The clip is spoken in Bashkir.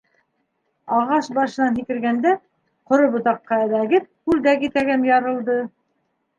Ағас башынан һикергәндә, ҡоро ботаҡҡа эләгеп, күлдәк итәгем ярылды.